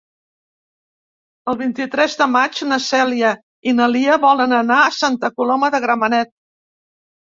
El vint-i-tres de maig na Cèlia i na Lia volen anar a Santa Coloma de Gramenet.